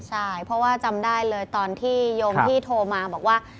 ใช่เพราะว่าจำได้เลยตอนที่โยมพี่โทรมาบอกว่า